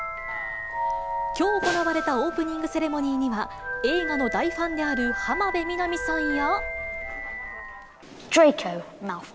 きょう行われたオープニングセレモニーには、映画の大ファンである浜辺美波さんや。